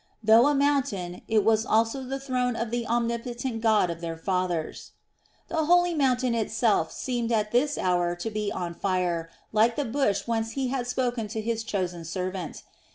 Though a mountain, it was also the throne of the omnipotent God of their fathers. The holy mountain itself seemed at this hour to be on fire like the bush whence He had spoken to His chosen servant.